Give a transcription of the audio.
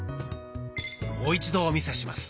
もう一度お見せします。